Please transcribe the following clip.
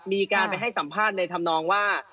มีการไปให้สัมภาษณ์ในธรรมนองว่า